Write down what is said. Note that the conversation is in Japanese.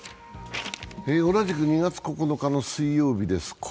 同じく２月９日の水曜日です。